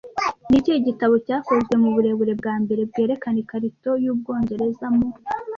Ni ikihe gitabo cyakozwe mu burebure bwa mbere bwerekana ikarito y’Ubwongereza mu